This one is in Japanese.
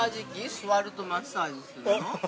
座るとマッサージするの。